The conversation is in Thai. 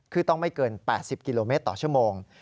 คือต้องไม่เกิน๘๐กิโลเมตรต่อชั่วโมง